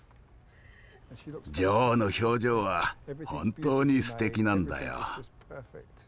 女王の表情は本当にすてきなんだよ。